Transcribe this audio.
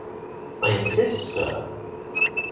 I insist, Sir.